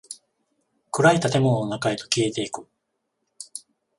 暗い建物の中へと消えていく。